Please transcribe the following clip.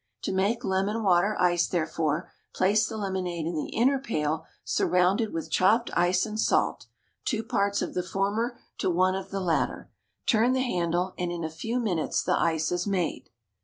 To make lemon water ice, therefore, place the lemonade in the inner pail, surrounded with chopped ice and salt, two parts of the former to one of the latter, turn the handle, and in a few minutes the ice is made.